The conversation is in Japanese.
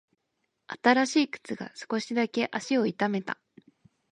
新しい靴が少しだけ足を痛めた。